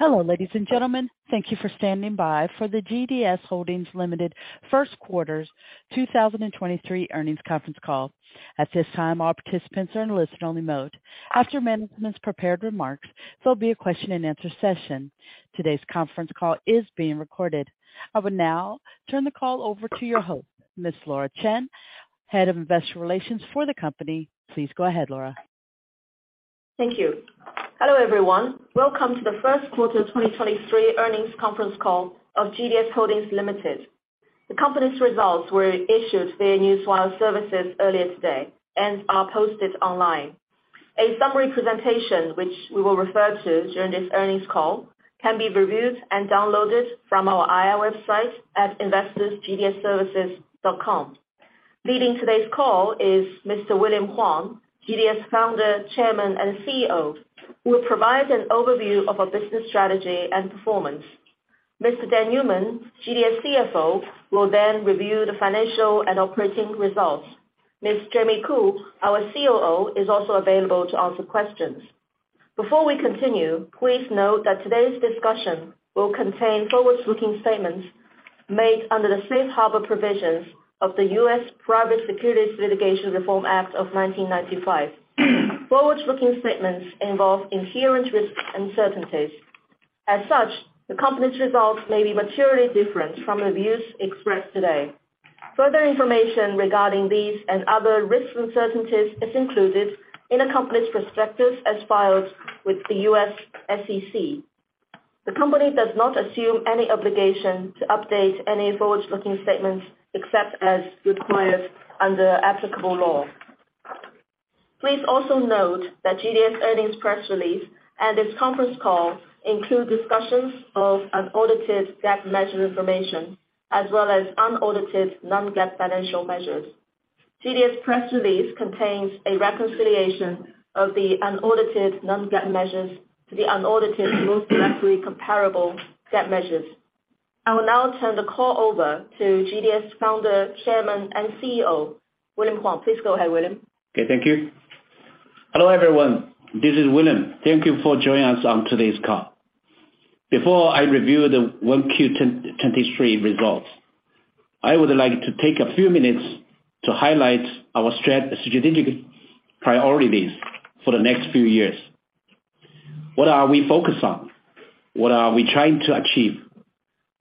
Hello, ladies and gentlemen. Thank you for standing by for the GDS Holdings Limited First Quarter's 2023 Earnings Conference Call. At this time, all participants are in listen-only mode. After management's prepared remarks, there'll be a question-and-answer session. Today's conference call is being recorded. I will now turn the call over to your host, Ms. Laura Chen, Head of Investor Relations for the company. Please go ahead, Laura. Thank you. Hello, everyone. Welcome to the first quarter 2023 earnings conference call of GDS Holdings Limited. The company's results were issued via Newswire Services earlier today and are posted online. A summary presentation, which we will refer to during this earnings call, can be reviewed and downloaded from our IR website at investors.gds-services.com. Leading today's call is Mr. William Huang, GDS Founder, Chairman, and CEO, who will provide an overview of our business strategy and performance. Mr. Dan Newman, GDS CFO, will then review the financial and operating results. Ms. Jamie Khoo, our COO, is also available to answer questions. Before we continue, please note that today's discussion will contain forward-looking statements made under the Safe Harbor Provisions of the U.S. Private Securities Litigation Reform Act of 1995. Forward-looking statements involve inherent risks and uncertainties. As such, the company's results may be materially different from the views expressed today. Further information regarding these and other risks uncertainties is included in the company's prospectus as filed with the U.S. SEC. The company does not assume any obligation to update any forward-looking statements except as required under applicable law. Please also note that GDS earnings press release and this conference call include discussions of unaudited GAAP measure information, as well as unaudited non-GAAP financial measures. GDS press release contains a reconciliation of the unaudited non-GAAP measures to the unaudited, most likely comparable GAAP measures. I will now turn the call over to GDS Founder, Chairman, and CEO, William Huang. Please go ahead, William. Okay, thank you. Hello, everyone. This is William. Thank you for joining us on today's call. Before I review the 1Q 2023 results, I would like to take a few minutes to highlight our strategic priorities for the next few years. What are we focused on? What are we trying to achieve?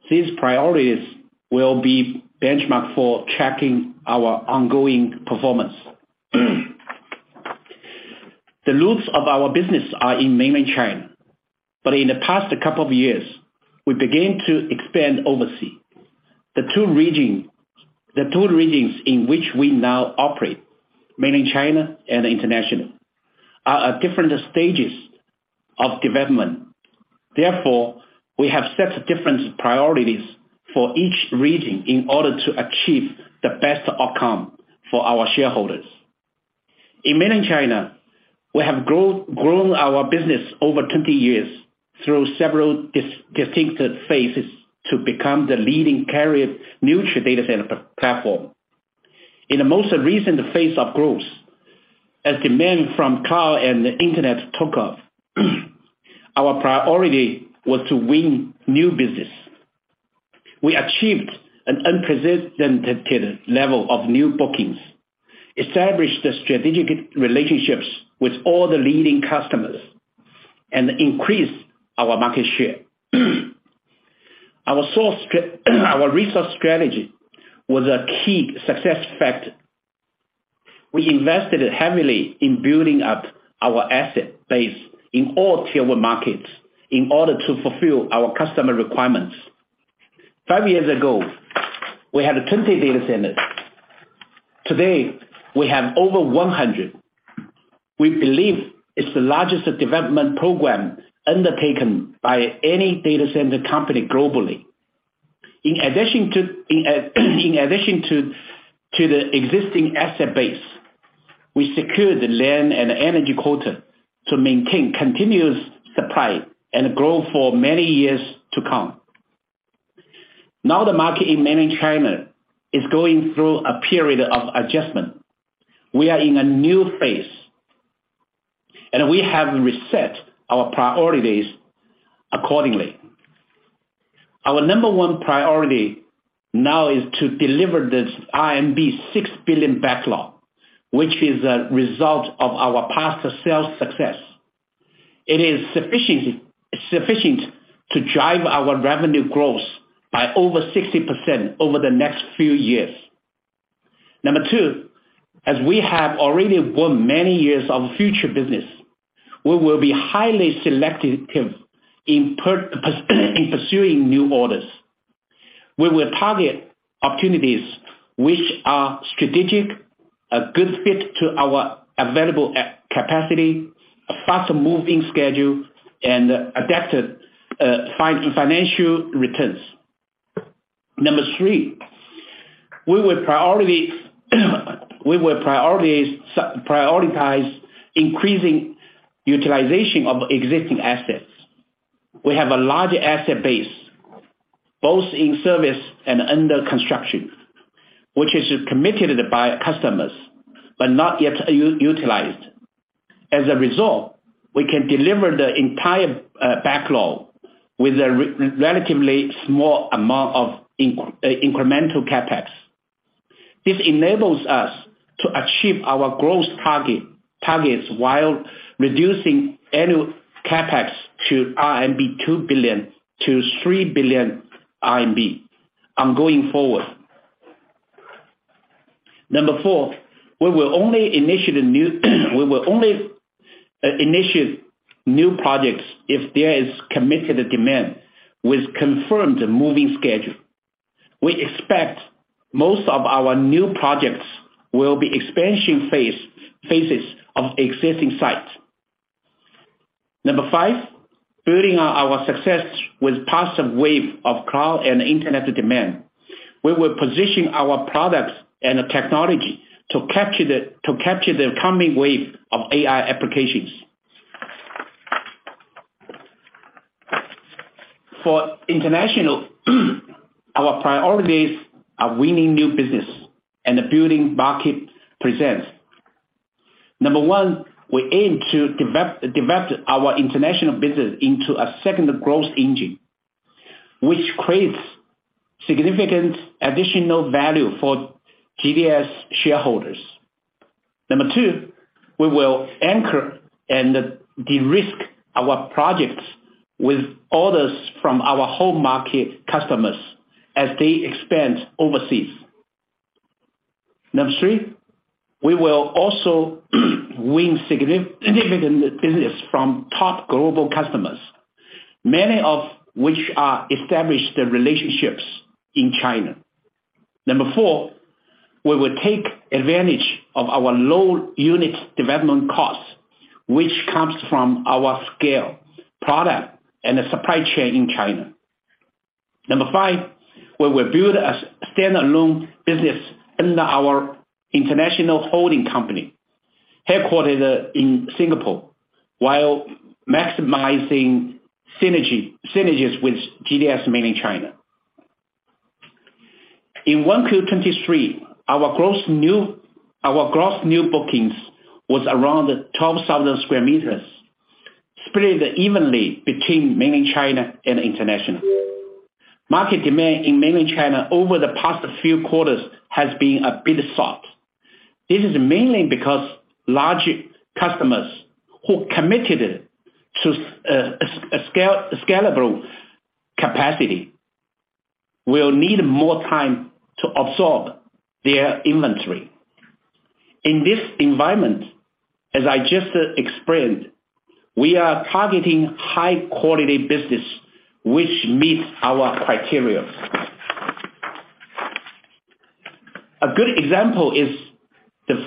These priorities will be benchmarked for tracking our ongoing performance. The roots of our business are in mainland China. In the past couple of years, we began to expand overseas. The two regions in which we now operate, mainland China and international, are at different stages of development. Therefore, we have set different priorities for each region in order to achieve the best outcome for our shareholders. In Mainland China, we have grown our business over 20 years through several distinctive phases to become the leading carrier neutral data center platform. In the most recent phase of growth, as demand from cloud and the internet took off, our priority was to win new business. We achieved an unprecedented level of new bookings, established strategic relationships with all the leading customers, and increased our market share. Our resource strategy was a key success factor. We invested heavily in building up our asset base in all tier one markets in order to fulfill our customer requirements. five years ago, we had 20 data centers. Today, we have over 100. We believe it's the largest development program undertaken by any data center company globally. In addition to the existing asset base, we secured the land and energy quota to maintain continuous supply and growth for many years to come. Now, the market in mainland China is going through a period of adjustment. We are in a new phase, and we have reset our priorities accordingly. Our number one priority now is to deliver this RMB 6 billion backlog, which is a result of our past sales success. It is sufficient to drive our revenue growth by over 60% over the next few years. Number two, as we have already won many years of future business, we will be highly selective in pursuing new orders. We will target opportunities which are strategic, a good fit to our available capacity, a fast-moving schedule, and adapted financial returns. Number three, we will priority... We will prioritize increasing utilization of existing assets. We have a large asset base. Both in service and under construction, which is committed by customers, but not yet utilized. As a result, we can deliver the entire backlog with a relatively small amount of incremental CapEx. This enables us to achieve our growth targets while reducing annual CapEx to 2 billion-3 billion RMB ongoing forward. Number four, we will only initiate new projects if there is committed demand with confirmed moving schedule. We expect most of our new projects will be expansion phases of existing sites. Number five, building on our success with positive wave of cloud and internet demand, we will position our products and the technology to capture the coming wave of AI applications. For international, our priorities are winning new business and building market presence. Number one, we aim to develop our international business into a second growth engine, which creates significant additional value for GDS shareholders. Number two, we will anchor and de-risk our projects with orders from our home market customers as they expand overseas. Number three, we will also win significant business from top global customers, many of which are established relationships in China. Number four, we will take advantage of our low unit development costs, which comes from our scale, product, and the supply chain in China. Number five, we will build a standalone business under our international holding company, headquartered in Singapore, while maximizing synergies with GDS mainland China. In 1Q 2023, our gross new bookings was around 12,000 sq m, spread evenly between mainland China and international. Market demand in mainland China over the past few quarters has been a bit soft. This is mainly because large customers who committed to a scalable capacity will need more time to absorb their inventory. In this environment, as I just explained, we are targeting high quality business which meets our criteria. A good example is the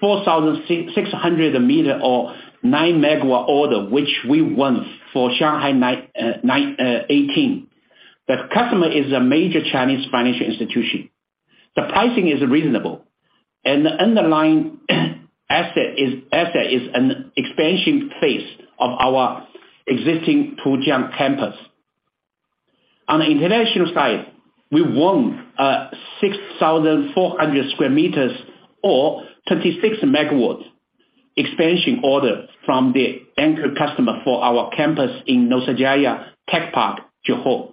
4,600 meter or 9 MW order, which we won for Shanghai 9, 18. The customer is a major Chinese financial institution. The pricing is reasonable, and the underlying asset is an expansion phase of our existing Pujian campus. On the international side, we won a 6,400 sq m or 36 MW expansion order from the anchor customer for our campus in Nusajaya TechPark, Johor.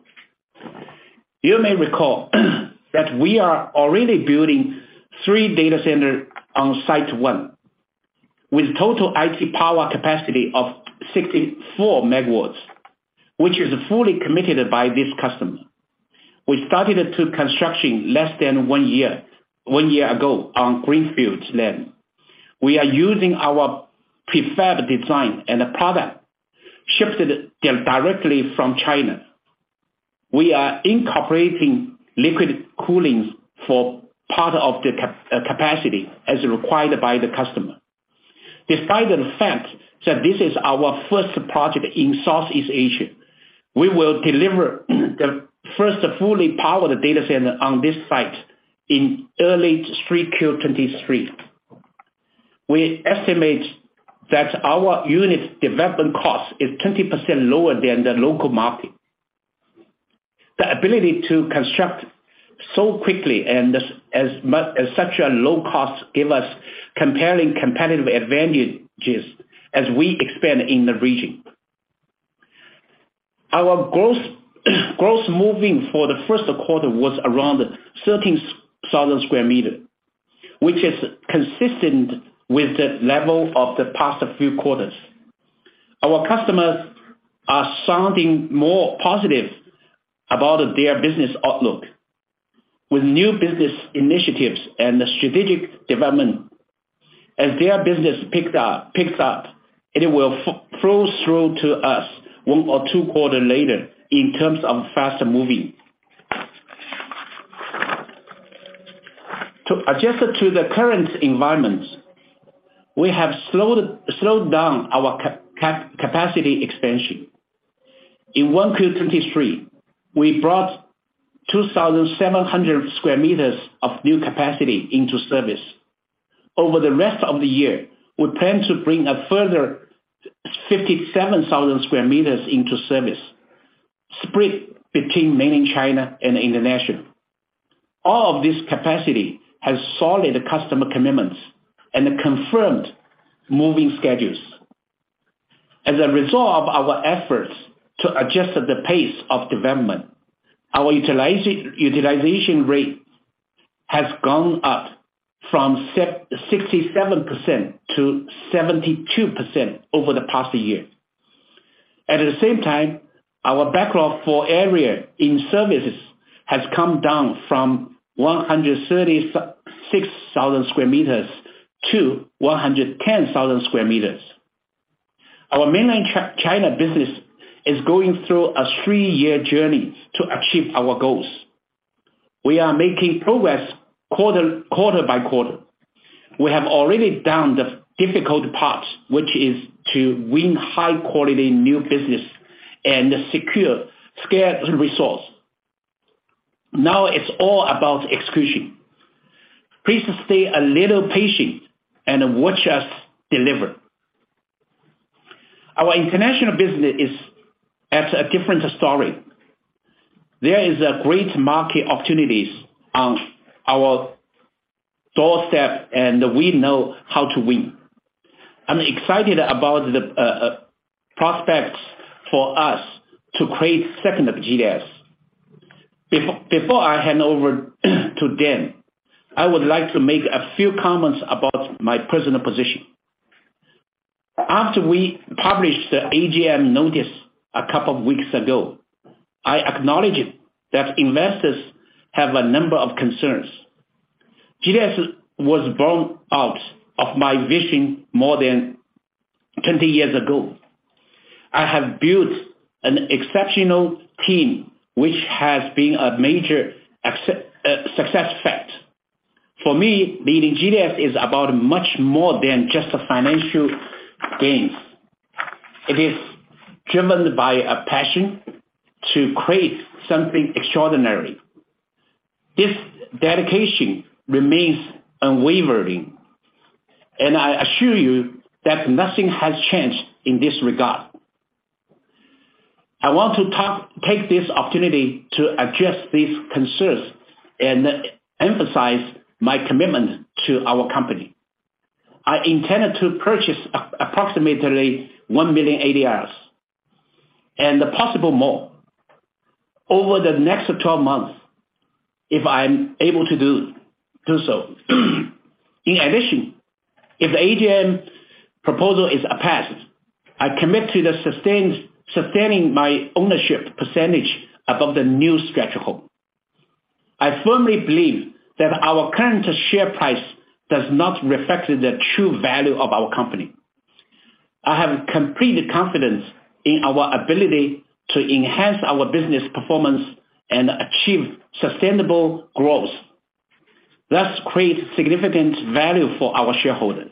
You may recall, that we are already building three data centers on site one, with total IT power capacity of 64 MW, which is fully committed by this customer. We started the two construction less than one year ago on greenfield land. We are using our prefab design and the product, shipped directly from China. We are incorporating liquid cooling for part of the capacity as required by the customer. Despite the fact that this is our first project in Southeast Asia, we will deliver the first fully powered data center on this site in early 3Q 2023. We estimate that our unit development cost is 20% lower than the local market. The ability to construct so quickly and as such a low cost, give us comparing competitive advantages as we expand in the region. Our gross moving for the first quarter was around 13,000 sq m, which is consistent with the level of the past few quarters. Our customers are sounding more positive about their business outlook. New business initiatives and strategic development, as their business picks up, it will flow through to us one or two quarter later in terms of faster moving. To adjust to the current environment, we have slowed down our capacity expansion. In 1Q 2023, we brought 2,700 sq m of new capacity into service. Over the rest of the year, we plan to bring a further 57,000 sq m into service, spread between Mainland China and international. All of this capacity has solid customer commitments and confirmed moving schedules. As a result of our efforts to adjust the pace of development, our utilization rate has gone up from 67%-72% over the past year. At the same time, our backlog for area in services has come down from 136,000 sq m to 110,000 sq m. Our Mainland China business is going through a three-year journey to achieve our goals. We are making progress quarter-by-quarter. We have already done the difficult part, which is to win high-quality new business and secure scarce resource. Now it's all about execution. Please stay a little patient and watch us deliver. Our international business is at a different story. There is a great market opportunities on our doorstep, and we know how to win. I'm excited about the prospects for us to create second GDS. Before I hand over to Dan, I would like to make a few comments about my personal position. After we published the AGM notice a couple of weeks ago, I acknowledged that investors have a number of concerns. GDS was born out of my vision more than 20 years ago. I have built an exceptional team, which has been a major success fact. For me, leading GDS is about much more than just the financial gains. It is driven by a passion to create something extraordinary. This dedication remains unwavering. I assure you that nothing has changed in this regard. I want to take this opportunity to address these concerns and emphasize my commitment to our company. I intend to purchase approximately 1 million ADRs, and possible more over the next 12 months, if I'm able to do so. In addition, if the AGM proposal is passed, I commit to the sustaining my ownership % above the new threshold. I firmly believe that our current share price does not reflect the true value of our company. I have complete confidence in our ability to enhance our business performance and achieve sustainable growth, thus create significant value for our shareholders.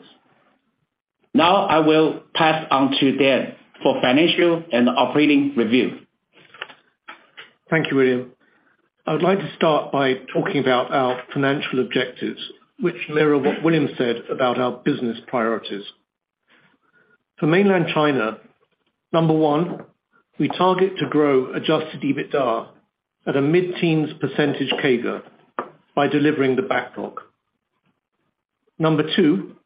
I will pass on to Dan for financial and operating review. Thank you, William. I would like to start by talking about our financial objectives, which mirror what William said about our business priorities. For Mainland China, Number one, we target to grow adjusted EBITDA at a mid-teens % CAGR by delivering the backlog. Number two,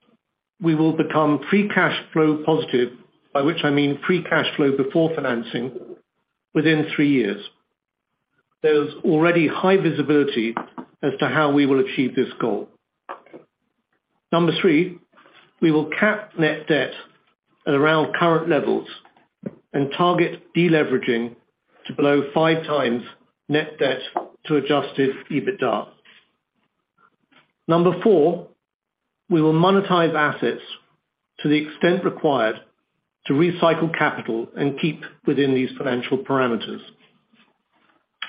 we will become free cash flow positive, by which I mean free cash flow before financing, within three years. There's already high visibility as to how we will achieve this goal. Number three, we will cap net debt at around current levels and target deleveraging to below 5x net debt to adjusted EBITDA. Number four, we will monetize assets to the extent required to recycle capital and keep within these financial parameters.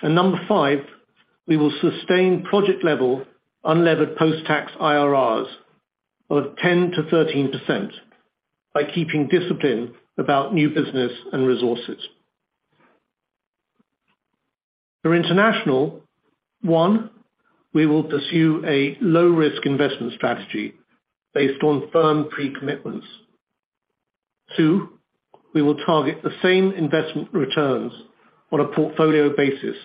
Number five, we will sustain project-level unlevered post-tax IRRs of 10%-13% by keeping discipline about new business and resources. For international, one, we will pursue a low-risk investment strategy based on firm pre-commitments. Two, we will target the same investment returns on a portfolio basis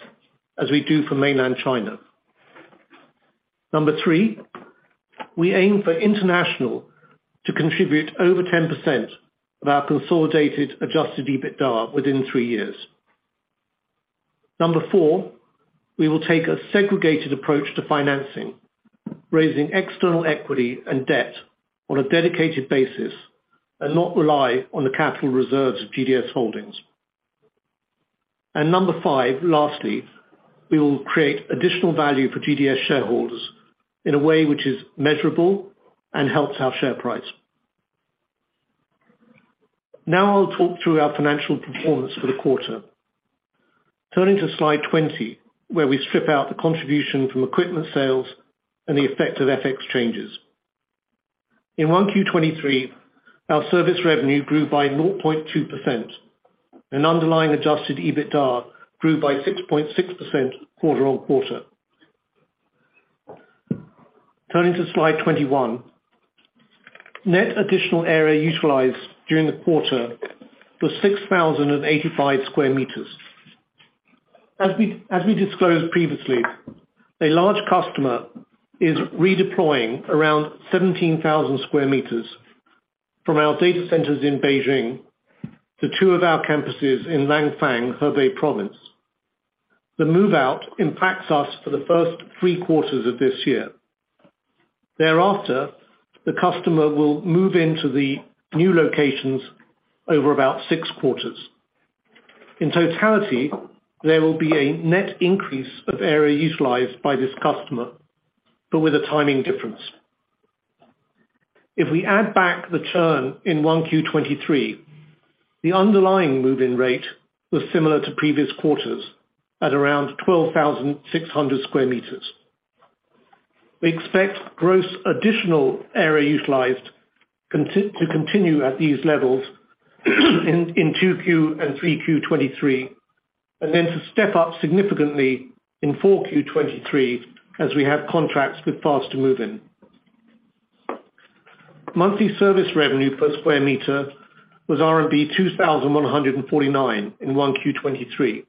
as we do for Mainland China. Number three, we aim for international to contribute over 10% of our consolidated adjusted EBITDA within three years. Number four, we will take a segregated approach to financing, raising external equity and debt on a dedicated basis and not rely on the capital reserves of GDS Holdings. Number five, lastly, we will create additional value for GDS shareholders in a way which is measurable and helps our share price. Now I'll talk through our financial performance for the quarter. Turning to slide 20, where we strip out the contribution from equipment sales and the effect of FX changes. In 1Q 2023, our service revenue grew by 0.2%. Underlying adjusted EBITDA grew by 6.6% quarter-on-quarter. Turning to slide 21, net additional area utilized during the quarter was 6,085 sq m. As we disclosed previously, a large customer is redeploying around 17,000 sq m from our data centers in Beijing to two of our campuses in Langfang, Hebei Province. The move-out impacts us for the first three quarters of this year. Thereafter, the customer will move into the new locations over about six quarters. In totality, there will be a net increase of area utilized by this customer, with a timing difference. If we add back the churn in 1Q 2023, the underlying move-in rate was similar to previous quarters at around 12,600 sq m. We expect gross additional area utilized to continue at these levels in 2Q and 3Q 2023, to step up significantly in 4Q 2023, as we have contracts with faster move-in. Monthly service revenue per square meter was RMB 2,149 in 1Q 2023.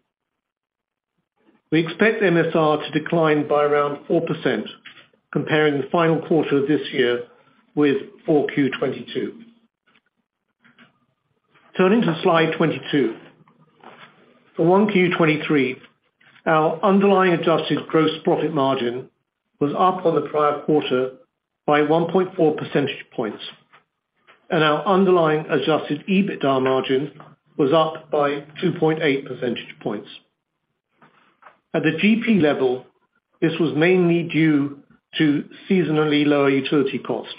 We expect MSR to decline by around 4%, comparing the final quarter of this year with 4Q 2022. Turning to slide 22. For 1Q 2023, our underlying adjusted gross profit margin was up on the prior quarter by 1.4% points, and our underlying adjusted EBITDA margin was up by 2.8% points. At the GP level, this was mainly due to seasonally lower utility cost.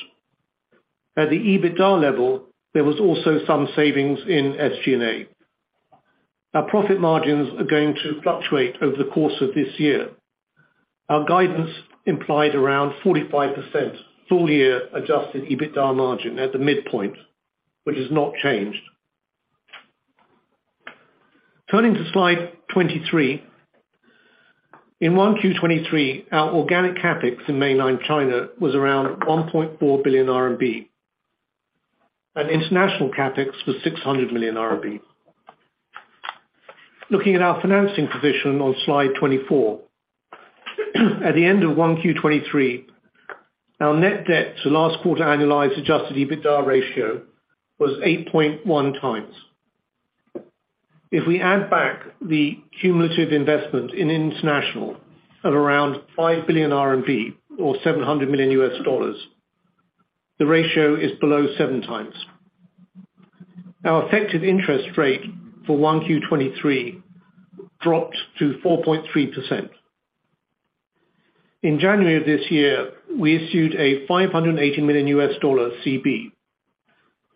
At the EBITDA level, there was also some savings in SG&A. Our profit margins are going to fluctuate over the course of this year. Our guidance implied around 45% full-year adjusted EBITDA margin at the midpoint, which has not changed. Turning to slide 23. In 1Q 2023, our organic CapEx in Mainland China was around 1.4 billion RMB, and international CapEx was 600 million RMB. Looking at our financing position on slide 24. At the end of 1Q 2023, our net debt to last quarter annualized adjusted EBITDA ratio was 8.1x. If we add back the cumulative investment in international at around 5 billion RMB, or $700 million, the ratio is below 7x. Our effective interest rate for 1Q 2023 dropped to 4.3%. In January of this year, we issued a $580 million CB.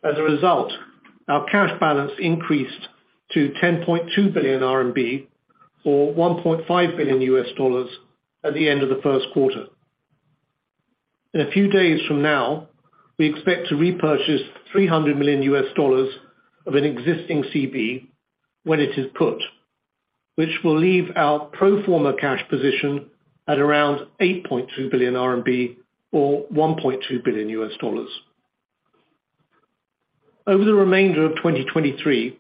As a result, our cash balance increased to 10.2 billion RMB, or $1.5 billion, at the end of the first quarter. In a few days from now, we expect to repurchase $300 million of an existing CB when it is put, which will leave our pro forma cash position at around 8.2 billion RMB or $1.2 billion. Over the remainder of 2023,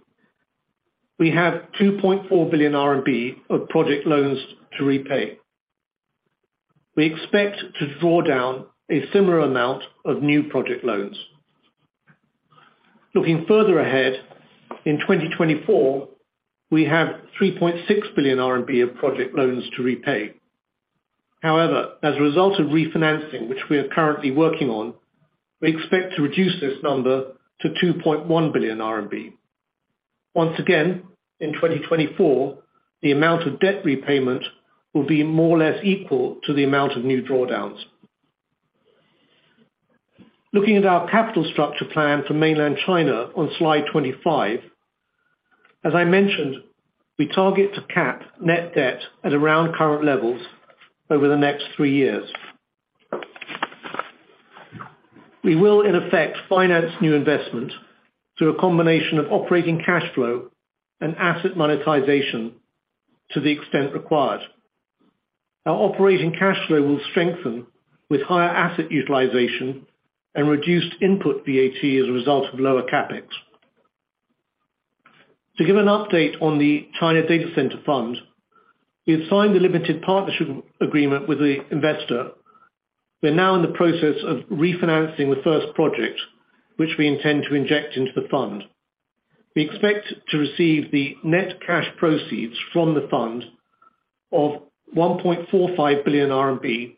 we have 2.4 billion RMB of project loans to repay. We expect to draw down a similar amount of new project loans. Looking further ahead, in 2024, we have 3.6 billion RMB of project loans to repay. However, as a result of refinancing, which we are currently working on, we expect to reduce this number to 2.1 billion RMB. Once again, in 2024, the amount of debt repayment will be more or less equal to the amount of new drawdowns. Looking at our capital structure plan for mainland China on slide 25, as I mentioned, we target to cap net debt at around current levels over the next three years. We will, in effect, finance new investment through a combination of operating cash flow and asset monetization to the extent required. Our operating cash flow will strengthen with higher asset utilization and reduced input VAT as a result of lower CapEx. To give an update on the China Data Center Fund, we have signed a limited partnership agreement with the investor. We are now in the process of refinancing the first project, which we intend to inject into the fund. We expect to receive the net cash proceeds from the fund of 1.45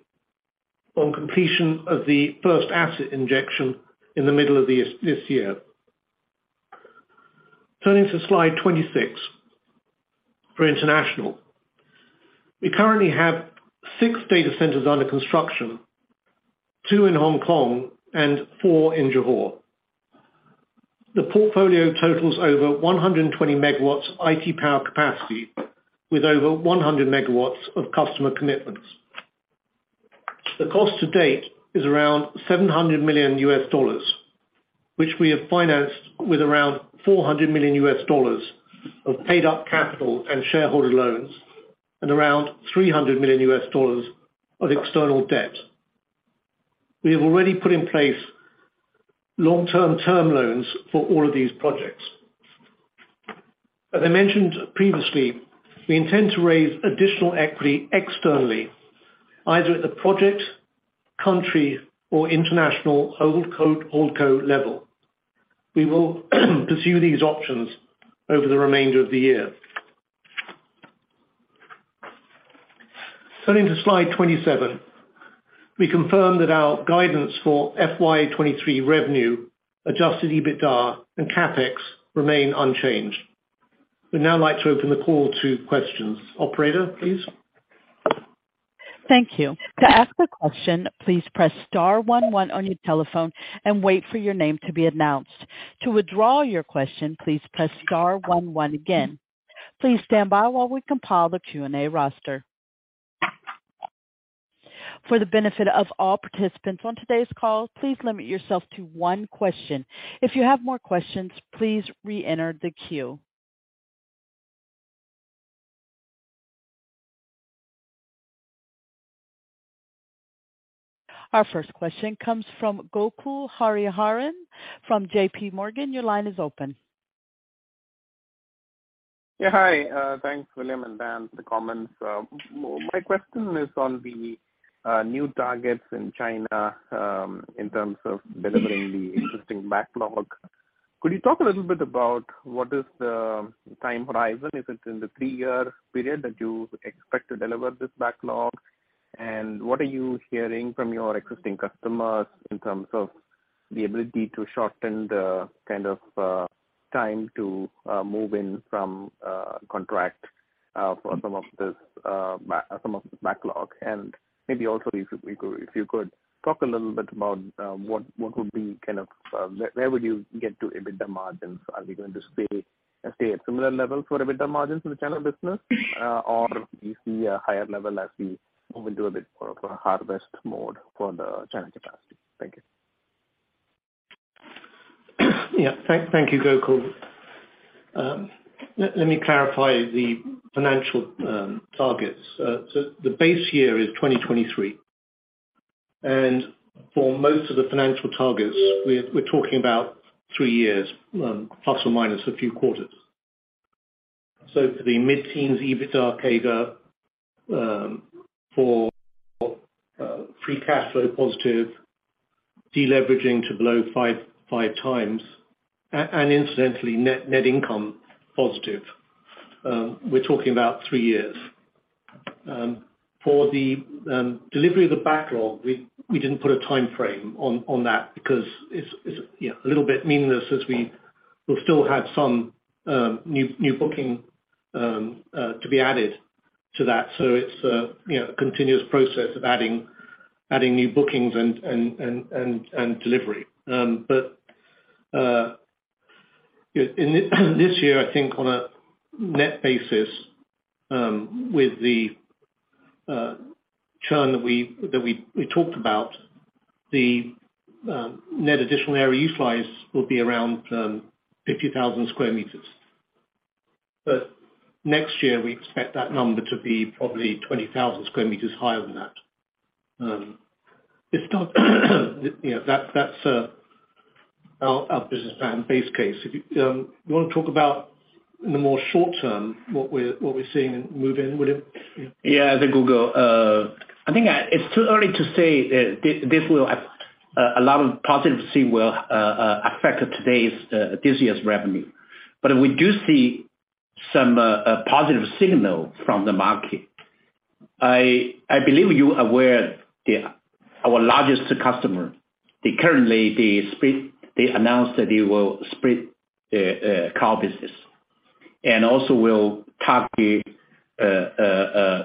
billion RMB on completion of the first asset injection in the middle of this year. Turning to slide 26 for international. We currently have six data centers under construction, two in Hong Kong and four in Johor. The portfolio totals over 120 MW IT power capacity, with over 100 MW of customer commitments. The cost to date is around $700 million, which we have financed with around $400 million of paid-up capital and shareholder loans, and around $300 million of external debt. We have already put in place long-term term loans for all of these projects. As I mentioned previously, we intend to raise additional equity externally, either at the project, country, or international hold co level. We will pursue these options over the remainder of the year. Turning to slide 27, we confirm that our guidance for FY 2023 revenue, adjusted EBITDA and CapEx remain unchanged. We'd now like to open the call to questions. Operator, please? Thank you. To ask a question, please press star one one on your telephone and wait for your name to be announced. To withdraw your question, please press star one one again. Please stand by while we compile the Q&A roster. For the benefit of all participants on today's call, please limit yourself to one question. If you have more questions, please reenter the queue. Our first question comes from Gokul Hariharan from JPMorgan. Your line is open. Yeah, hi, thanks, William and Dan, for the comments. My question is on the new targets in China, in terms of delivering the existing backlog. Could you talk a little bit about what is the time horizon? Is it in the three-year period that you expect to deliver this backlog? What are you hearing from your existing customers in terms of the ability to shorten the kind of time to move in from contract for some of this backlog? Maybe also, if you could talk a little bit about what would be kind of where would you get to EBITDA margins? Are we going to stay at similar levels for EBITDA margins in the China business, or we see a higher level as we move into a bit more of a harvest mode for the China capacity? Thank you. Thank you, Gokul. Let me clarify the financial targets. The base year is 2023, and for most of the financial targets, we're talking about three years, plus or minus a few quarters. For the mid-teens, EBITDA, CAIDA, for free cash flow positive, deleveraging to below 5x, and incidentally, net income positive. We're talking about three years. For the delivery of the backlog, we didn't put a timeframe on that because it's a little bit meaningless as we will still have some new booking to be added to that. It's a, you know, a continuous process of adding new bookings and delivery. In this year, I think on a net basis, with the churn that we talked about, the net additional area utilize will be around 50,000 sq m. Next year, we expect that number to be probably 20,000 sq m higher than that. It's not, you know, that's our business plan base case. If you want to talk about in the more short term, what we're seeing move in, William? Yeah, the Gokul, I think it's too early to say that this will have a lot of positive things will affect today's this year's revenue. We do see some a positive signal from the market. I believe you are aware that our largest customer, they currently, they announced that they will split car business and also will target a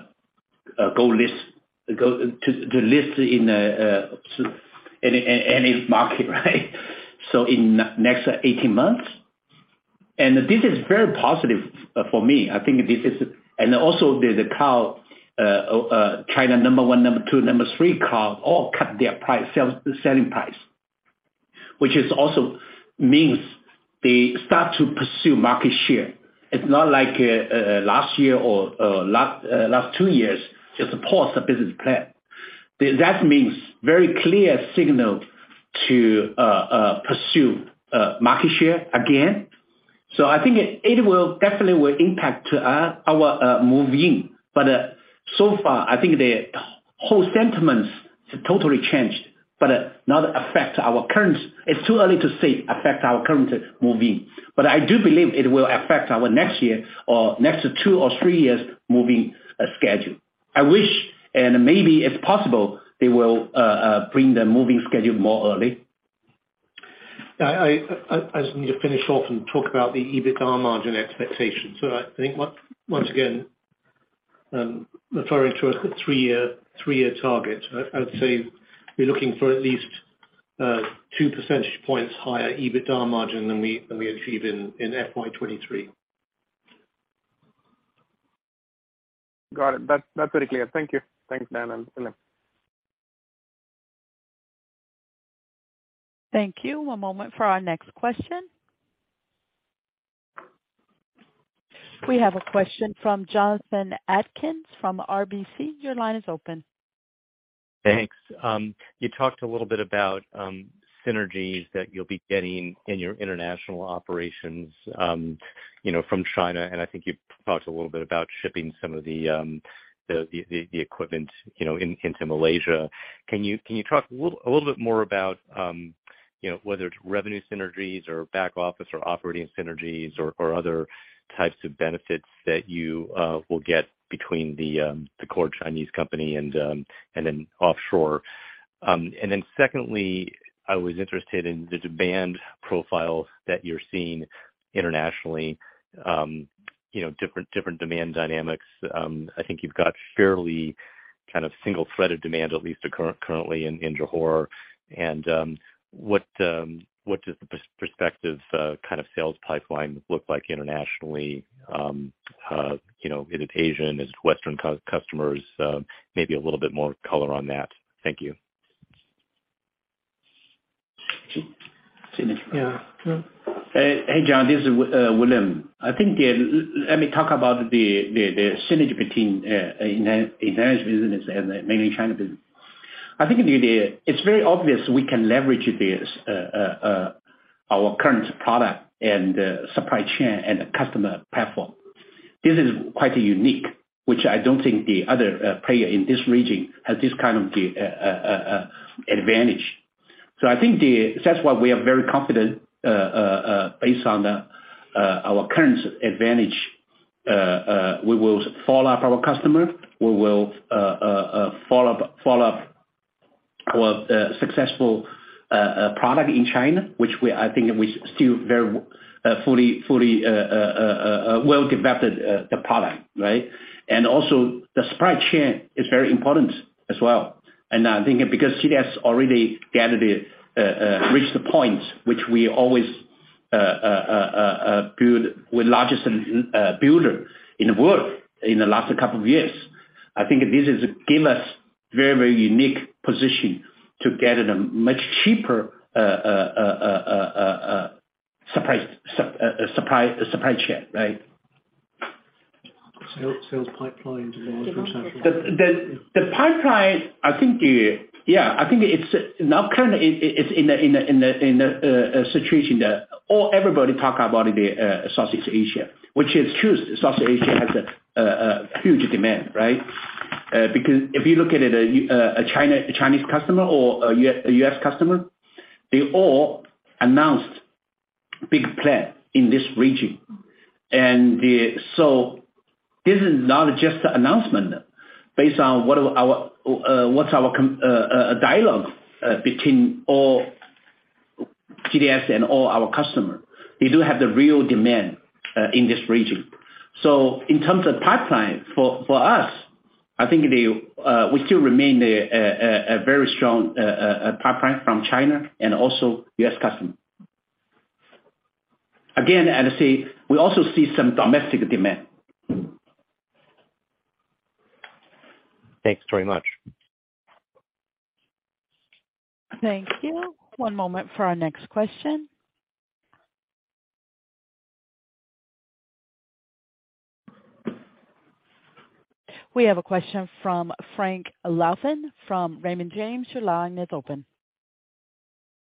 go to list in any market, right? In the next 18 months, this is very positive for me, I think this is... There's a car China number one, number two, number three car, all cut their price, sales, selling price, which is also means they start to pursue market share. It's not like last year or last two years, just pause the business plan. That means very clear signal to pursue market share again. I think it will definitely will impact our moving, but so far, I think the whole sentiments have totally changed, but not affect our current. It's too early to say, affect our current moving. I do believe it will affect our next year or next two or three years moving schedule. I wish, and maybe if possible, they will bring the moving schedule more early. I just need to finish off and talk about the EBITDA margin expectations. I think once again, referring to a 3-year target, I'd say we're looking for at least 2% points higher EBITDA margin than we achieve in FY 2023. Got it. That's very clear. Thank you. Thanks, Dan and William. Thank you. One moment for our next question. We have a question from Jonathan Atkin from RBC. Your line is open. Thanks. You talked a little bit about synergies that you'll be getting in your international operations, you know, from China, and I think you talked a little bit about shipping some of the equipment, you know, into Malaysia. Can you talk a little bit more about, you know, whether it's revenue synergies or back office or operating synergies or other types of benefits that you will get between the core Chinese company and then offshore? Secondly, I was interested in the demand profiles that you're seeing internationally. You know, different demand dynamics. I think you've got fairly kind of single-threaded demand, at least currently in Johor. What does the perspective, kind of sales pipeline look like internationally? You know, is it Asian, is it Western customers? Maybe a little bit more color on that. Thank you. Synergy. Yeah. True. Hey, John, this is William. I think the, let me talk about the synergy between international business and the mainland China business. I think it's very obvious we can leverage this, our current product and supply chain and the customer platform. This is quite unique, which I don't think the other player in this region has this kind of the advantage. I think that's why we are very confident, based on our current advantage, we will follow up our customer. We will follow up our successful product in China, which I think we still very fully well developed the product, right? Also, the supply chain is very important as well. I think because GDS already gathered the reach the point, which we always build with largest builder in the world in the last couple of years. I think this is give us very unique position to get a much cheaper supply chain, right? Sales, sales pipeline. The pipeline, I think. Yeah, I think it's now kind of in a situation that everybody talk about it, Southeast Asia, which is true. Southeast Asia has a huge demand, right? Because if you look at it, a Chinese customer or a US customer, they all announced big plan in this region. This is not just an announcement based on what our, what's our dialogue between GDS and our customer. We do have the real demand in this region. In terms of pipeline, for us, I think, we still remain a very strong pipeline from China and also US customer. Again, as I say, we also see some domestic demand. Thanks very much. Thank you. One moment for our next question. We have a question from Frank Louthan from Raymond James. Your line is open.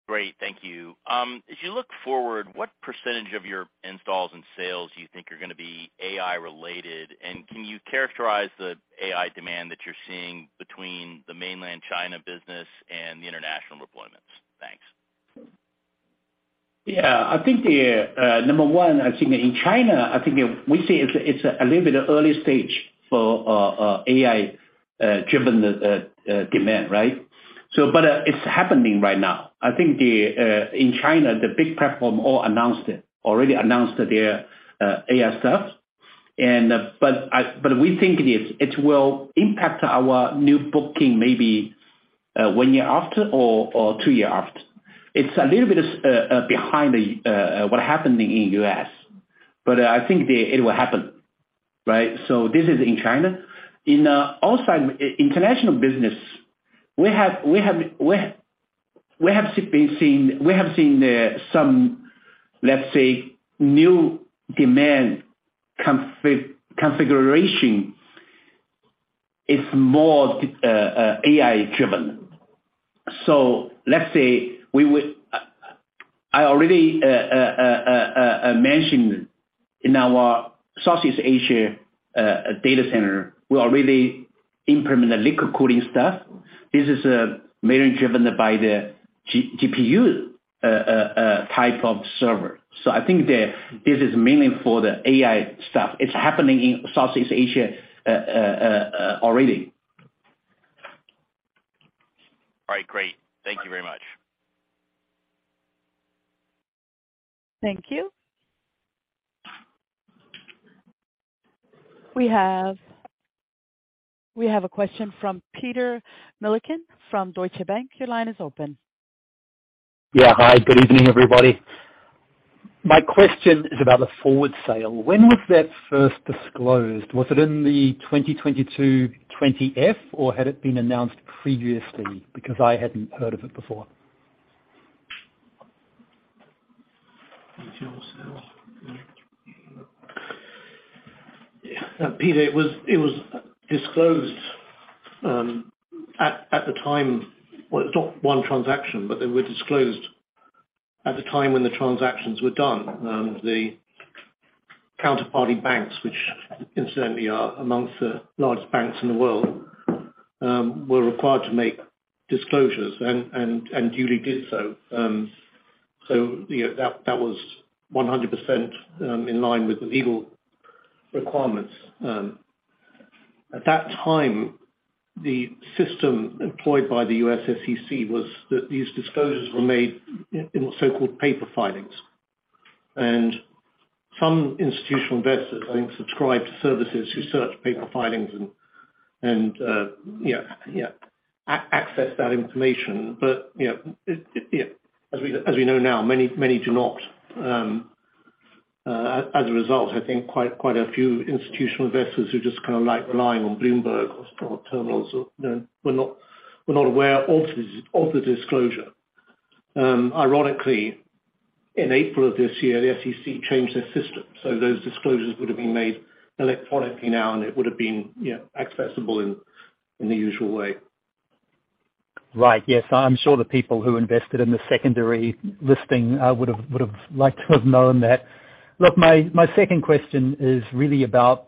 Great. Thank you. As you look forward, what % of your installs and sales do you think are gonna be AI related? Can you characterize the AI demand that you're seeing between the mainland China business and the international deployments? Thanks. Yeah. I think the number one, I think in China, I think we see it's a little bit early stage for AI driven demand, right? But it's happening right now. I think the in China, the big platform all announced it, already announced their AI stuff. But we think it is, it will impact our new booking maybe one year after or two year after. It's a little bit behind the what happened in U.S., but I think the, it will happen, right? This is in China. In outside international business, we have seen some, let's say, new demand configuration is more AI driven. Let's say we would... I already mentioned in our Southeast Asia data center, we already implement the liquid cooling stuff. This is mainly driven by the GPU type of server. I think this is mainly for the AI stuff. It's happening in Southeast Asia already. All right, great. Thank you very much. Thank you. We have a question from Peter Milliken from Deutsche Bank. Your line is open. Yeah. Hi, good evening, everybody. My question is about the forward sale. When was that first disclosed? Was it in the 2022 Form 20-F, or had it been announced previously? I hadn't heard of it before. Peter, it was disclosed at the time. Well, not one transaction, but they were disclosed at the time when the transactions were done. The counterparty banks, which certainly are amongst the largest banks in the world, were required to make disclosures and duly did so. You know, that was 100% in line with the legal requirements. At that time, the system employed by the U.S. SEC was that these disclosures were made in what so-called paper filings. Some institutional investors, I think, subscribe to services who search paper filings and, you know, access that information. You know, it, you know, as we know now, many do not. As a result, I think quite a few institutional investors who just kind of like relying on Bloomberg terminals are, you know, were not aware of the disclosure. Ironically, in April of this year, the SEC changed their system, those disclosures would have been made electronically now, it would have been, you know, accessible in the usual way. Right. Yes, I'm sure the people who invested in the secondary listing, would've liked to have known that. Look, my second question is really about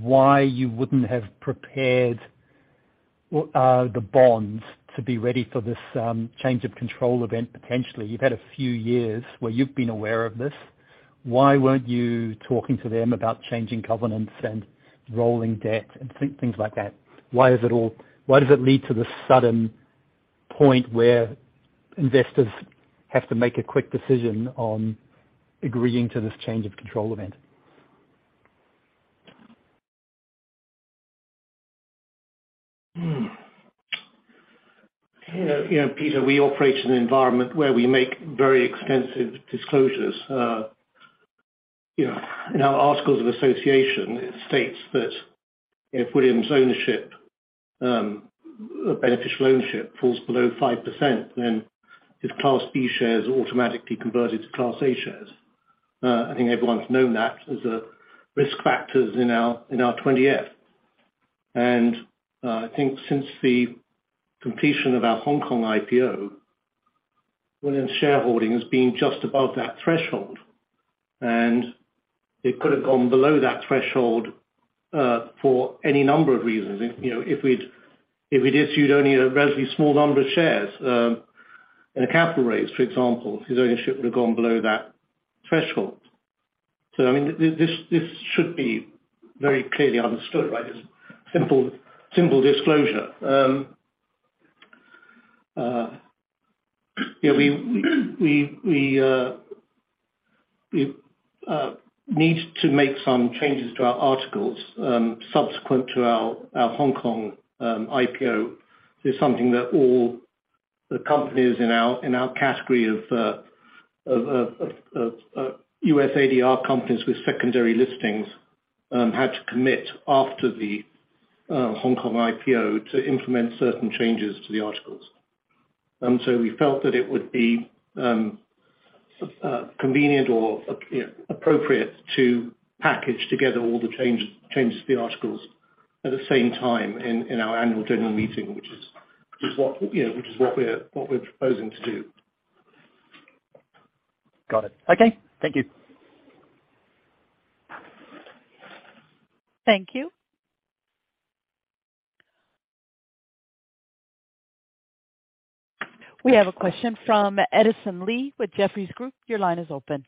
why you wouldn't have prepared, the bonds to be ready for this, change of control event, potentially. You've had a few years where you've been aware of this. Why weren't you talking to them about changing covenants and rolling debt and things like that? Why does it lead to this sudden point where investors have to make a quick decision on agreeing to this change of control event? You know, Peter, we operate in an environment where we make very expensive disclosures. You know, in our articles of association, it states that if William's ownership, beneficial ownership, falls below 5%, then his Class B shares are automatically converted to Class A shares. I think everyone's known that as a risk factors in our Form 20-F. I think since the completion of our Hong Kong IPO, William's shareholding has been just above that threshold, and it could have gone below that threshold, for any number of reasons. You know, if we'd issued only a relatively small number of shares, in a capital raise, for example, his ownership would have gone below that threshold. I mean, this should be very clearly understood, right? It's simple disclosure. Yeah, we need to make some changes to our articles, subsequent to our Hong Kong IPO. This is something that all the companies in our category of US ADR companies with secondary listings had to commit after the Hong Kong IPO to implement certain changes to the articles. We felt that it would be convenient or appropriate to package together all the changes to the articles at the same time in our annual general meeting, which is what, you know, we're proposing to do. Got it. Okay. Thank you. Thank you. We have a question from Edison Lee with Jefferies Group. Your line is open.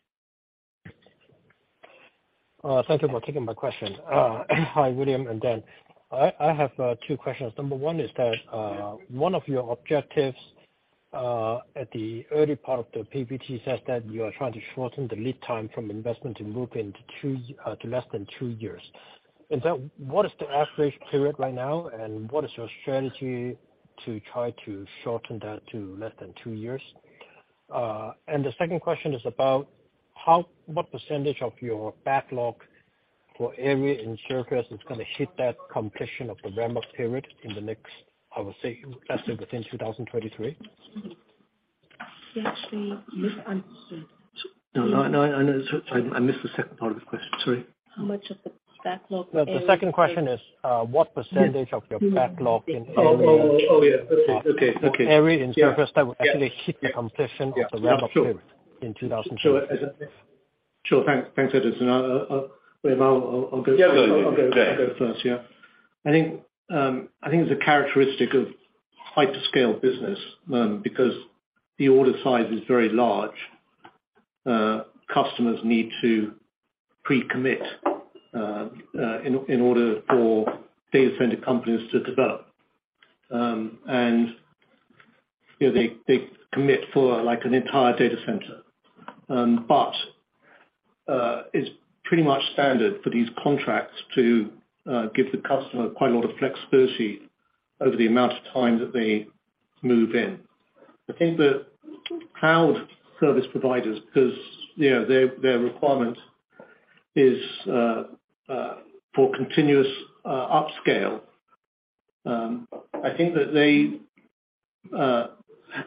Thank you for taking my question. Hi, William and Dan. I have two questions. Number one is that one of your objectives at the early part of the PPT says that you are trying to shorten the lead time from investment to move into two, to less than two years. What is the average period right now, and what is your strategy to try to shorten that to less than two years? The second question is about what percentage of your backlog for every in-service is gonna hit that completion of the ramp-up period in the next, I would say, less than within 2023? No, no, I know. I missed the second part of the question, sorry. How much of the backlog- The second question is, what percentage of your backlog? Oh, oh, yeah. Okay, okay. Every in surface that will actually hit the completion of the ramp-up period. Sure. -in 2023. Sure. Thanks, thanks, Edison. I'll go- Yeah, go ahead. I'll go first. Yeah. I think, I think it's a characteristic of high to scale business, because the order size is very large. Customers need to pre-commit in order for data center companies to develop. You know, they commit for like an entire data center. But, it's pretty much standard for these contracts to give the customer quite a lot of flexibility over the amount of time that they move in. I think the cloud service providers, because, you know, their requirement is for continuous upscale. I think that they,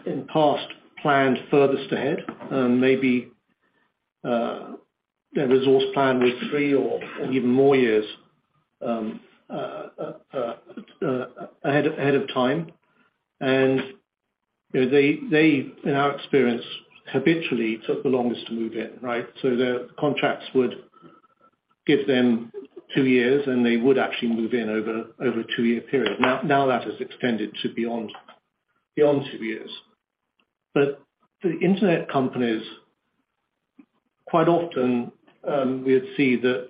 in past, planned further ahead, and maybe, their resource plan was three or even more years ahead of time. You know, they, in our experience, habitually took the longest to move in, right? Their contracts would give them two years, and they would actually move in over a two-year period. That has extended to beyond two years. The internet companies, quite often, we'd see that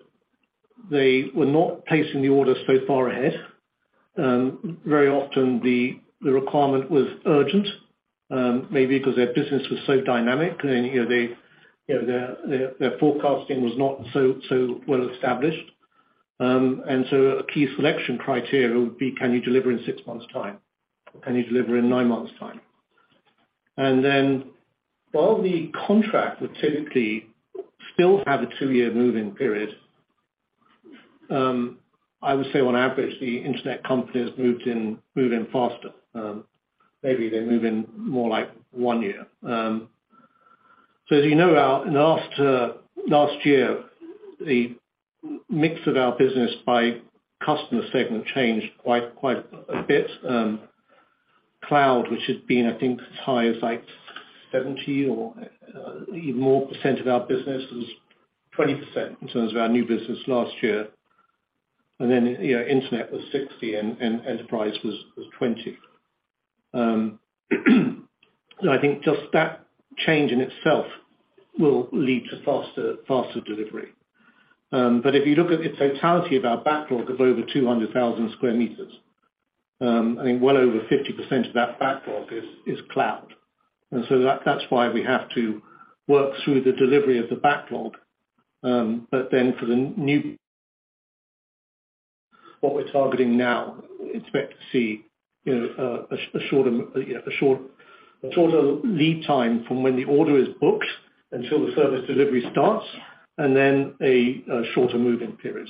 they were not placing the orders so far ahead. Very often the requirement was urgent, maybe because their business was so dynamic, and, you know, their forecasting was not so well established. A key selection criteria would be, can you deliver in six months' time? Can you deliver in nine months' time? While the contract would typically still have a two-year move-in period, I would say on average, the internet companies moved in, move in faster. Maybe they move in more like one year. As you know, in the last year, the mix of our business by customer segment changed quite a bit. Cloud, which had been, I think, as high as, like, 70% or even more percent of our business, was 20% in terms of our new business last year. Internet was 60, and enterprise was 20. I think just that change in itself will lead to faster delivery. If you look at the totality of our backlog of over 200,000 sq m, I mean, well over 50% of that backlog is cloud. That's why we have to work through the delivery of the backlog. For the new, what we're targeting now, expect to see, you know, a shorter lead time from when the order is booked until the service delivery starts, and then a shorter move-in period.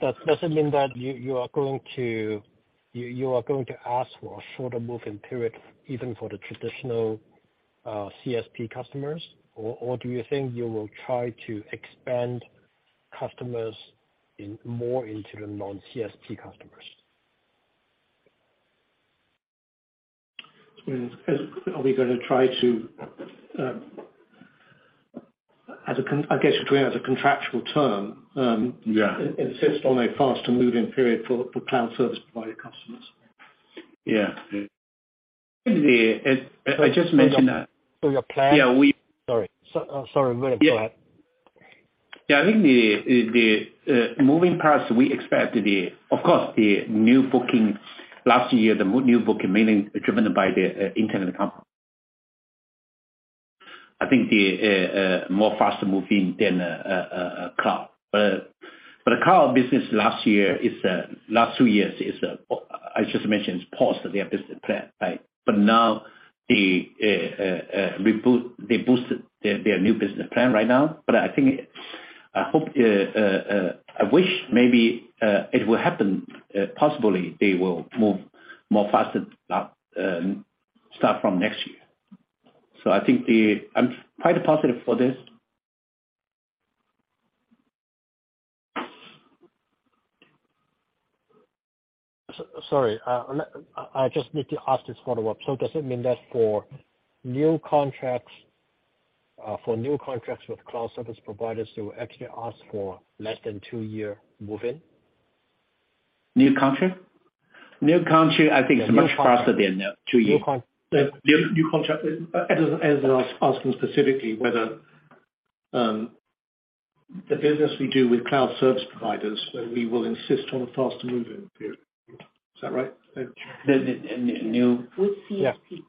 Does that mean that you are going to ask for a shorter move-in period, even for the traditional CSP customers? Or do you think you will try to expand customers in more into the non-CSP customers? Well, are we gonna try to, I guess, what we have as a contractual term... Yeah. Insist on a faster move-in period for cloud service provider customers. Yeah. I just mentioned that. Your plan? Yeah. Sorry. sorry, go ahead. Yeah. I think the moving parts. We expect, of course, the new bookings last year. The new booking mainly driven by the internet company. I think the more faster moving than a cloud. The cloud business last year is last two years is, I just mentioned, it's paused their business plan, right? Now the reboot, they boosted their new business plan right now. I think, I hope, I wish maybe it will happen. Possibly they will move more faster, start from next year. I think. I'm quite positive for this. Sorry, I just need to ask this follow-up. Does it mean that for new contracts, for new contracts with cloud service providers, to actually ask for less than two-year move-in? New contract? New contract, I think it's much faster than the two years. The new contract, as asking specifically whether the business we do with cloud service providers, we will insist on a faster move-in period. Is that right? The. With CSP.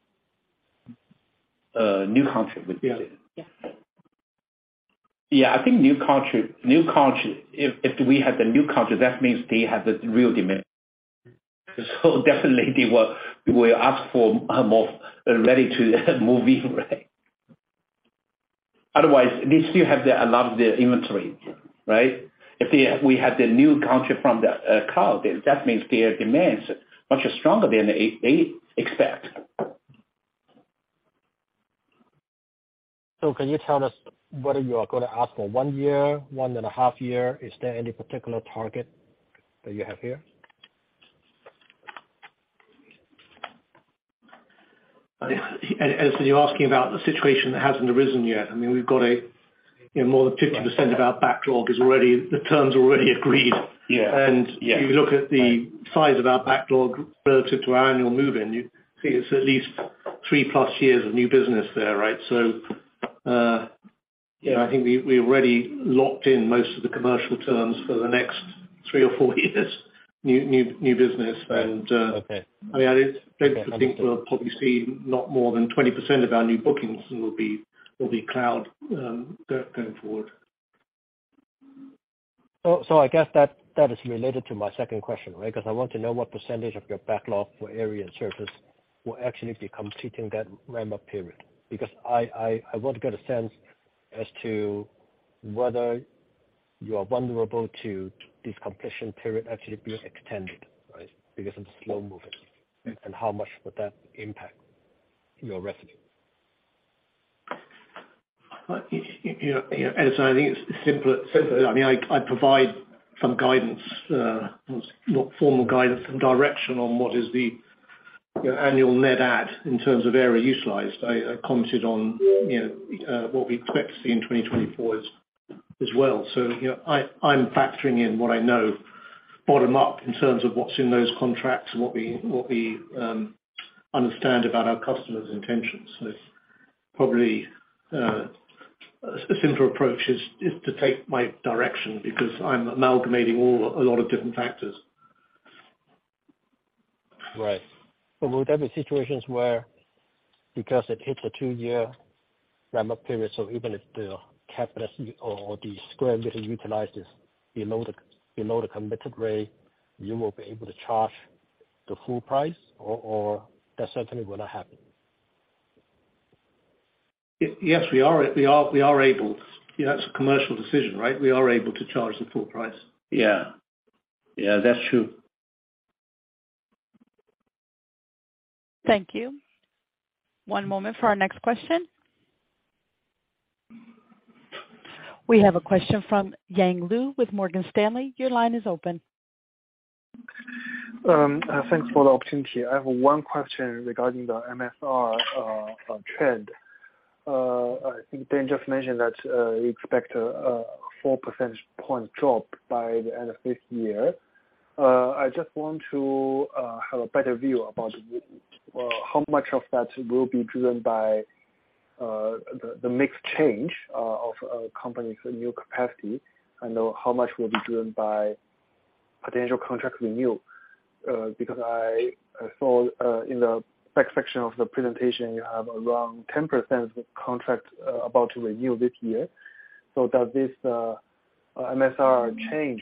New contract with CSP. Yeah. Yeah, I think new contract, if we have the new contract, that means they have the real demand. Definitely we will ask for more ready to move in, right? Otherwise, they still have a lot of the inventory, right? If we have the new contract from the cloud, that means their demand's much stronger than they expect. Can you tell us whether you are going to ask for 1 year, one and a half year? Is there any particular target that you have here? As, as you're asking about the situation that hasn't arisen yet, I mean, we've got a, you know, more than 50% of our backlog is already, the terms already agreed. Yeah. And- Yeah. If you look at the size of our backlog relative to our annual move-in, you think it's at least 3+ years of new business there, right? Yeah, I think we already locked in most of the commercial terms for the next three or four years, new business. Okay. I mean, I just think we'll probably see not more than 20% of our new bookings will be cloud, going forward. I guess that is related to my second question, right? I want to know what % of your backlog for area and services will actually be completing that ramp-up period. I want to get a sense as to whether you are vulnerable to this completion period actually being extended, right, because of the slow movement, and how much would that impact your revenue? You know, Edison, I think it's simpler. I mean, I provide some guidance, not formal guidance, some direction on what is the, you know, annual net add in terms of area utilized. I commented on, you know, what we expect to see in 2024 as well. You know, I'm factoring in what I know bottom-up in terms of what's in those contracts and what we understand about our customers' intentions. It's probably a simpler approach is to take my direction, because I'm amalgamating a lot of different factors. Right. will there be situations where, because it hits a 2-year ramp-up period, so even if the capacity or the square meter utilizes below the committed rate, you will be able to charge the full price, or that certainly will not happen? Yes, we are able. Yeah, it's a commercial decision, right? We are able to charge the full price. Yeah. Yeah, that's true. Thank you. One moment for our next question. We have a question from Yang Liu with Morgan Stanley. Your line is open. Thanks for the opportunity. I have one question regarding the MSR trend. I think Dan just mentioned that you expect a 4% point drop by the end of this year. I just want to have a better view about how much of that will be driven by the mix change of company's new capacity, and how much will be driven by potential contract renewal? Because I saw in the back section of the presentation, you have around 10% of the contract about to renew this year. Does this MSR change,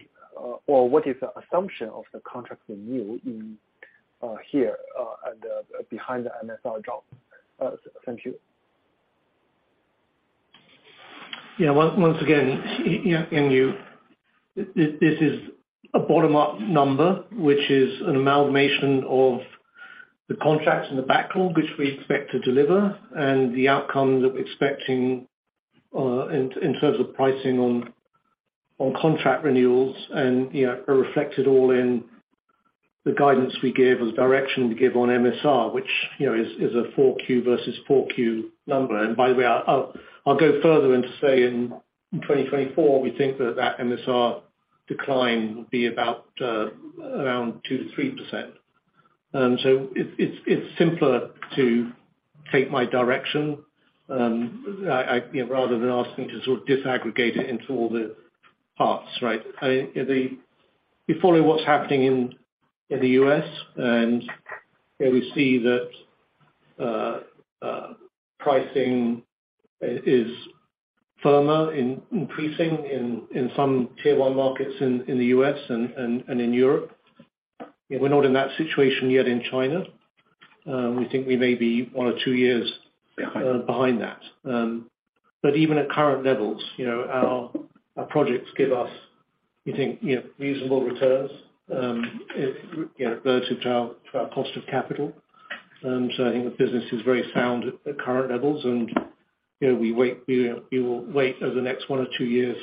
or what is the assumption of the contract renew in here, and behind the MSR drop? Thank you. once again, Yang Liu, this is a bottom-up number, which is an amalgamation of the contracts and the backlog, which we expect to deliver, and the outcomes that we're expecting in terms of pricing on contract renewals, and, you know, are reflected all in the guidance we gave, as direction we give on MSR, which, you know, is a 4Q versus 4Q number. By the way, I'll go further and say in 2024, we think that that MSR decline will be about around 2%-3%. So it's simpler to take my direction, you know, rather than asking to sort of disaggregate it into all the parts, right? You're following what's happening in the U.S. Here we see that pricing is firmer, increasing in some tier one markets in the U.S. and in Europe. We're not in that situation yet in China. We think we may be one or two years- Behind. behind that. Even at current levels, you know, our projects give us, we think, you know, reasonable returns, if, you know, relative to our, to our cost of capital. I think the business is very sound at the current levels. You know, we will wait over the next one or two years,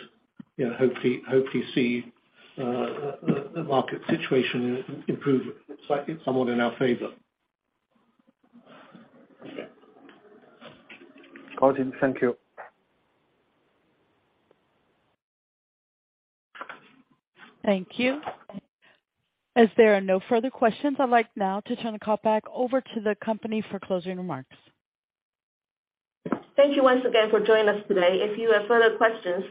you know, hopefully see the market situation improve slightly somewhat in our favor. Got it. Thank you. Thank you. As there are no further questions, I'd like now to turn the call back over to the company for closing remarks. Thank you once again for joining us today. If you have further questions,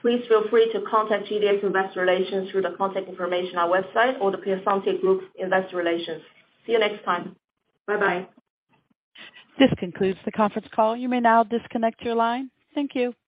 please feel free to contact GDS Investor Relations through the contact information on our website or The Piacente Group Investor Relations. See you next time. Bye-bye. This concludes the conference call. You may now disconnect your line. Thank you!